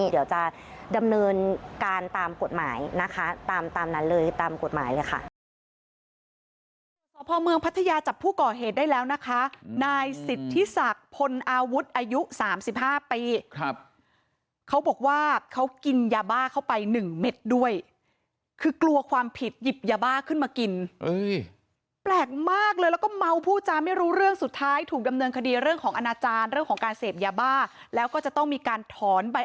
เดี๋ยวจะดำเนินการตามกฎหมายนะคะตามนั้นเลยตามกฎหมายค่ะ